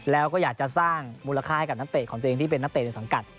แล้วก็อยากจะสร้างมูลค่าให้กับนักเตะของตัวเองที่เป็นนักเตะในสังกัด